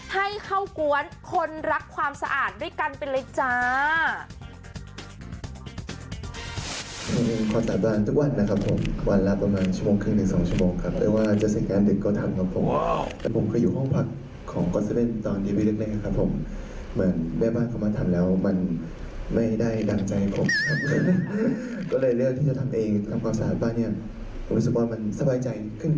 ให้เข้ากวนคนรักความสะอาดด้วยกันไปเลยจ้า